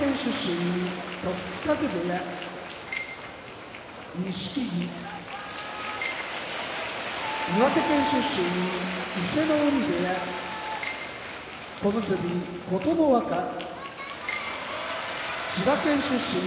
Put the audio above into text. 時津風部屋錦木岩手県出身伊勢ノ海部屋小結・琴ノ若千葉県出身